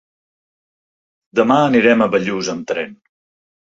Demà anirem a Bellús amb tren.